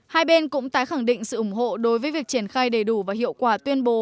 hai bên cũng tái khẳng định sự ủng hộ đối với việc triển khai đầy đủ và hiệu quả tuyên bố